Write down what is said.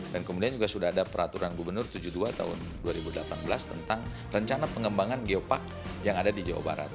dan kemudian juga sudah ada peraturan gubernur tujuh puluh dua tahun dua ribu delapan belas tentang rencana pengembangan geopark yang ada di jawa barat